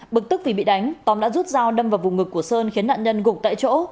bực tức vì bị đánh tóm đã rút dao đâm vào vùng ngực của sơn khiến nạn nhân gục tại chỗ